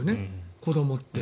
子どもって。